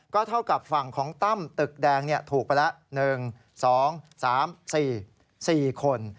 ก็เท่ากับฝั่งของตั้มตึกแดงถูกไปแล้ว๑๒๓๔๔คน